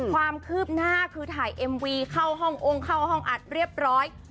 ความคืบหน้าคือถ่ายเอ็มวีเข้าห้ององค์เข้าห้องอัดเรียบร้อย